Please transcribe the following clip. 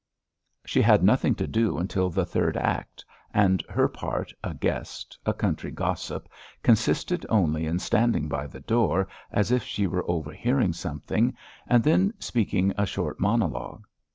She had nothing to do until the third act, and her part, a guest, a country gossip, consisted only in standing by the door, as if she were overhearing something, and then speaking a short monologue.